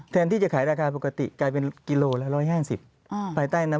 แทนที่จะขายราคาปกติกลายเป็นกิโลหละ๑๕๐